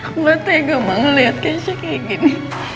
berarti gak mau ngeliat kecil kayak gini